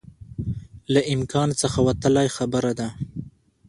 له امکان څخه وتلی خبره ده